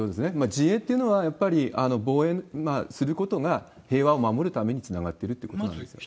自衛っていうのは、やっぱり防衛することが、平和を守るためにつながってるってことですよね。